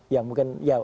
yang mungkin salah banyak